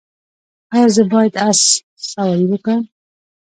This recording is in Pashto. ایا زه باید اس سواري وکړم؟